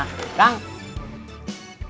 bu clara sering ambil serangan